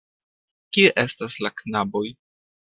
Kie estas la knaboj?